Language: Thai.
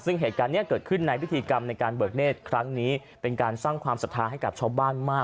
ซึ่งเหตุการณ์นี้เกิดขึ้นในพิธีกรรมในการเบิกเนธครั้งนี้เป็นการสร้างความศรัทธาให้กับชาวบ้านมาก